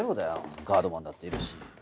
ガードマンだっているし。